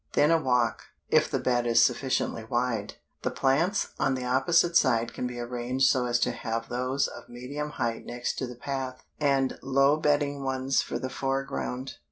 Then a walk, if the bed is sufficiently wide. The plants on the opposite side can be arranged so as to have those of medium height next to the path, and low bedding ones for the foreground.